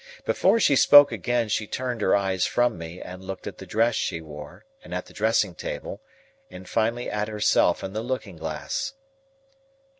Before she spoke again, she turned her eyes from me, and looked at the dress she wore, and at the dressing table, and finally at herself in the looking glass.